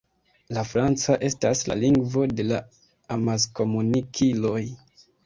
La franca estas la lingvo de la amaskomunikiloj.